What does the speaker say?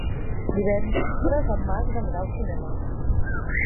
Divendres en Max anirà al cinema.